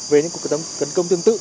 về những cuộc tấn công tương tự